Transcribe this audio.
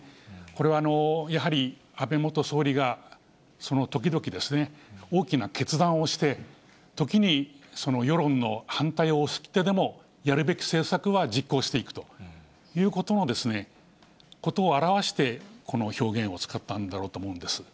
これはやはり、安倍元総理がその時々、大きな決断をして、時に世論の反対を押し切ってでも、やるべき政策は実行していくということを表して、この表現を使ったんだろうと思うんです。